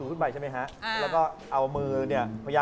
เขาให้ขับเมีย